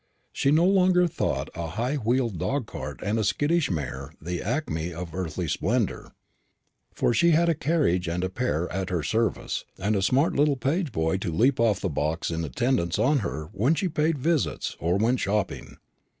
She no longer thought a high wheeled dog cart and a skittish mare the acme of earthly splendour; for she had a carriage and pair at her service, and a smart little page boy to leap off the box in attendance on her when she paid visits or went shopping.